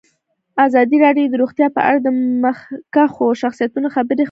ازادي راډیو د روغتیا په اړه د مخکښو شخصیتونو خبرې خپرې کړي.